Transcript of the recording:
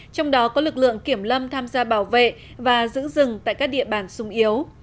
trong đó có lực lượng kiểm lâm tham gia bảo vệ và giữ rừng tại các địa bàn sung yếu